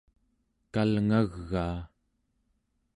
kalngagaa